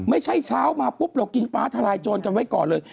เช้ามาปุ๊บเรากินฟ้าทลายโจรกันไว้ก่อนเลย